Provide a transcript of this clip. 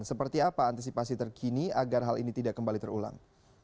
seperti apa antisipasi terkini agar hal ini tidak kembali terulang